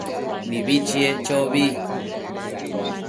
Mibi chiec chobi